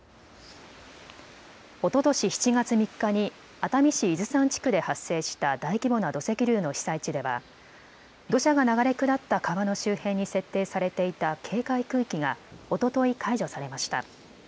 おととし７月３日に熱海市伊豆山地区で発生した大規模な土石流の被災地では土砂が流れ下った川の周辺に設定されていた警戒区域がおととい解除されました。